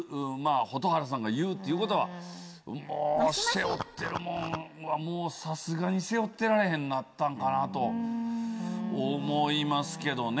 蛍原さんが言うっていうことはもう背負ってるもんはさすがに背負ってられへんなったんかなと思いますけどね。